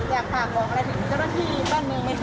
อยากฝากบอกอะไรถึงเจ้าหน้าที่บ้านเมืองไหมคะ